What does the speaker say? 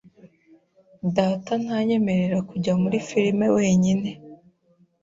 Data ntanyemerera kujya muri firime wenyine.